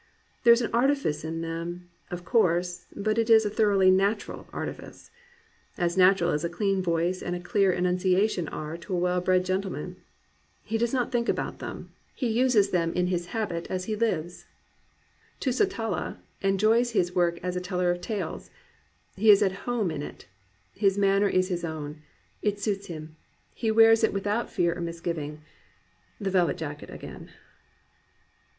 There is artifice in them, of course, but it is a thoroughly natural artifice, — ^as natural as a clean voice and a clear enunciation are to a well bred gentleman. He does not think about them; 387 COMPANIONABLE BOOKS lie uses them in his habit as he Uves. Tusitala en joys his work as a teller of tales; he is at home in it. His manner is his own; it suits him; he wears it without fear or misgiving, — the velvet jacket again.